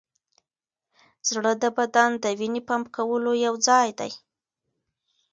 زړه د بدن د وینې پمپ کولو یوځای دی.